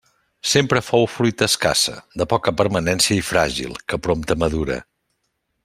Sempre fou fruita escassa, de poca permanència i fràgil, que prompte madura.